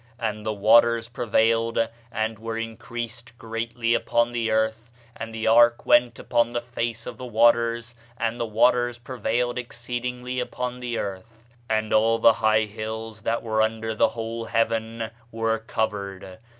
And the waters prevailed, and were increased greatly upon the earth; and the ark went upon the face of the waters. And the waters prevailed exceedingly upon the earth; and all the high hills, that were under the whole heaven, were covered.